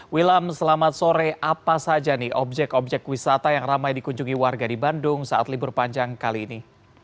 wilam selamat sore apa saja nih objek objek wisata yang ramai dikunjungi warga di bandung saat libur panjang kali ini